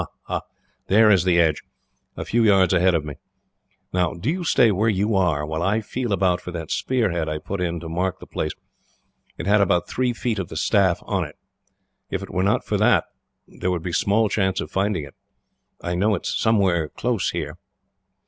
Ah! There is the edge, a few yards ahead of me. "Now, do you stay where you are, while I feel about for that spear head I put in to mark the place. It had about three feet of the staff on it. If it were not for that, there would be small chance of finding it. I know it is somewhere close here."